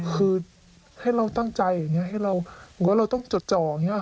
คือให้เราตั้งใจอย่างนี้ให้เราต้องจดเจาะอย่างนี้ค่ะ